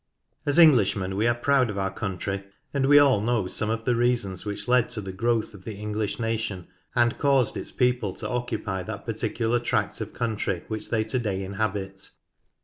As Englishmen we are proud of our country, and we all know some of the reasons which led to the growth of the English nation and caused its people to occupy that particular tract of country which they to day inhabit.